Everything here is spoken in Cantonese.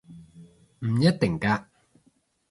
唔一定嘅